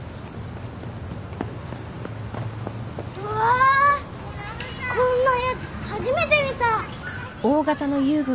うわぁこんなやつ初めて見た。